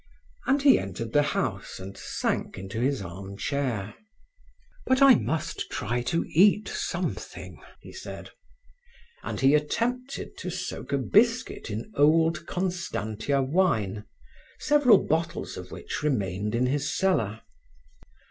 And he entered the house and sank into his armchair. "But I must try to eat something," he said. And he attempted to soak a biscuit in old Constantia wine, several bottles of which remained in his cellar.